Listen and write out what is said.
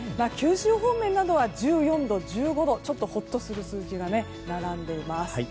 九州方面などは１４度、１５度とちょっとほっとする数字が並んでいます。